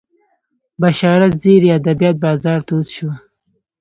بشارت زیري ادبیات بازار تود شو